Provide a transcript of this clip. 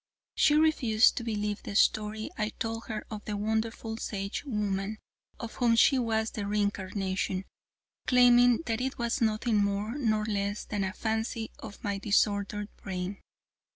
She refused to believe the story I told her of the wonderful Sagewoman of whom she was the re incarnation, claiming that it was nothing more nor less than a fancy of my disordered brain.